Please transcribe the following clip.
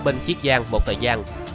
bên chiếc giang một thời gian